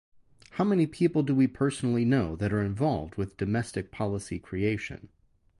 How many people do we personally know that are involved with domestic policy creation?